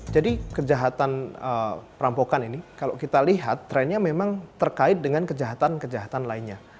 jadi kejahatan perampokan ini kalau kita lihat trennya memang terkait dengan kejahatan kejahatan lainnya